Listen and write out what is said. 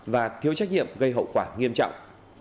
và thiếu trách nhiệm gây hậu quả nghiêm trọng